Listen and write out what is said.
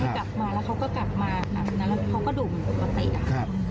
กลับมาแล้วเขาก็กลับมาครับแล้วเขาก็ดุเหมือนประเทศครับ